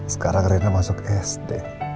sekarang rina masuk sd